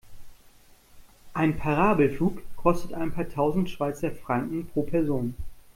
Ein Parabelflug kostet ein paar tausend Schweizer Franken pro Person.